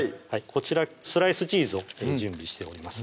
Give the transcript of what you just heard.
こちらスライスチーズを準備しております